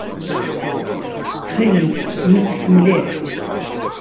Ttxil-m, neffes mliḥ.